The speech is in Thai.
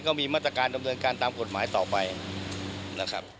ก็มีมาตรการดำเนินการตามกฎหมายต่อไปนะครับ